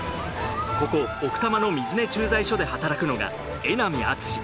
ここ奥多摩の水根駐在所で働くのが江波敦史。